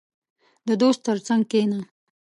• د دوست تر څنګ کښېنه.